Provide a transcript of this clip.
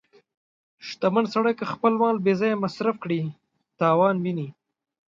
• شتمن سړی که خپل مال بې ځایه مصرف کړي، تاوان ویني.